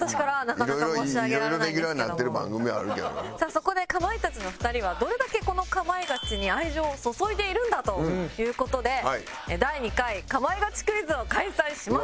そこでかまいたちのお二人はどれだけこの『かまいガチ』に愛情を注いでいるんだという事で第２回かまいガチクイズを開催します。